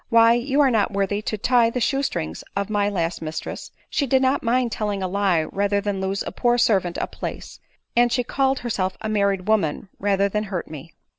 Why, you are not worthy to tie the shoe strings of my last mistress — she did not mind telling a lie rather than lose a poor servant a place ; and she called herself a married woman rather than hurt me."